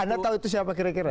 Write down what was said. anda tahu itu siapa kira kira